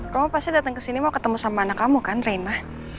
kamu pasti datang ke sini mau ketemu sama anak kamu kan reina